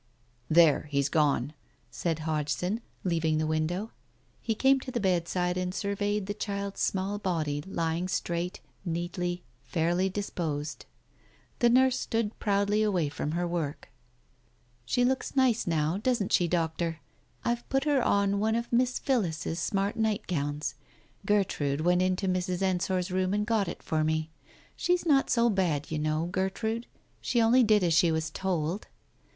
"There, he's gone!" said Hodgson, leaving the window. He came to the bedside and surveyed the child's small body lying straight, neatly, fairly disposed. The nurse stood proudly away from her work — "She looks nice, now, doesn't she, Doctor? I've put her on one of Miss Phillis's smart nightgowns. Gertrude went in to Mrs. Ensor's room and got it for me. She's not so bad, you know, Gertrude ; she only did as she was told.